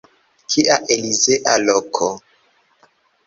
Kia elizea loko!